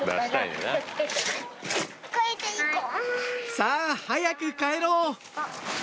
さぁ早く帰ろう！